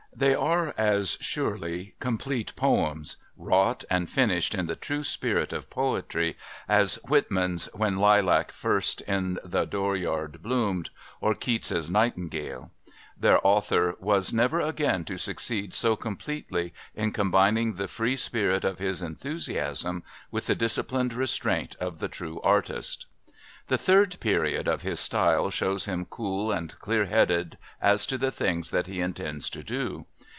They are as surely complete poems, wrought and finished in the true spirit of poetry, as Whitman's When Lilac first on the Door yard bloomed or Keats' Nightingale. Their author was never again to succeed so completely in combining the free spirit of his enthusiasm with the disciplined restraint of the true artist. The third period of his style shows him cool and clear headed as to the things that he intends to do.